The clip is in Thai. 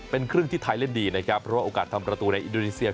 เป็นครึ่งที่ไทยเล่นดีนะครับเพราะว่าโอกาสทำประตูในอินโดนีเซีย